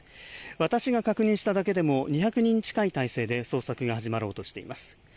私が確認しただけでも、２００人近い態勢で捜索が始まろうとしています。